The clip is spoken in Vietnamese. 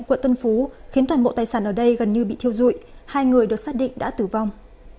quận tân phú khiến toàn bộ tài sản ở đây gần như bị thiêu dụi hai người được xác định đã tử vong